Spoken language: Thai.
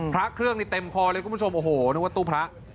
พระเครื่องนี่เต็มคอเลยคุณผู้ชมโอ้โหนึกว่าตู้พระ